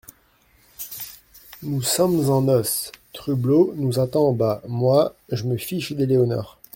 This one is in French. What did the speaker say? Nous sommes en noce, Trublot nous attend en bas … Moi, je me fiche d'Éléonore.